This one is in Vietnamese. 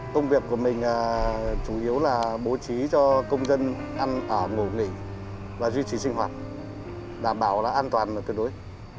công việc của mình chủ yếu là bố trí cho công dân ăn ở ngủ nghỉ và duy trì sinh hoạt đảm bảo là an toàn và tuyệt đối